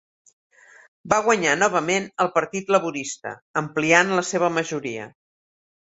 Va guanyar novament el Partit Laborista, ampliant la seva majoria.